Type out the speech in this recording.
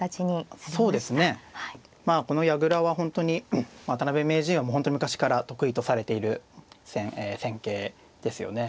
この矢倉は本当に渡辺名人は本当に昔から得意とされている戦型ですよね。